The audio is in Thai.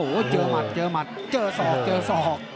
โอ้โหเจอหมัดเจอหมัดเจอศอกเจอศอก